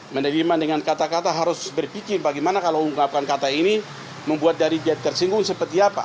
menerima dengan kata kata harus berpikir bagaimana kalau mengungkapkan kata ini membuat dari dia tersinggung seperti apa